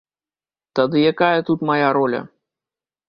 Тады якая тут мая роля?